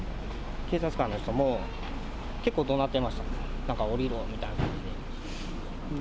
警察官の人も、結構怒鳴ってました、降りろ！みたいな感じで。